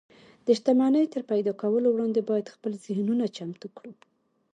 د شتمنۍ تر پيدا کولو وړاندې بايد خپل ذهنونه چمتو کړو.